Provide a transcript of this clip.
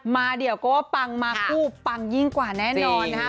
เดี๋ยวก็ว่าปังมาคู่ปังยิ่งกว่าแน่นอนนะฮะ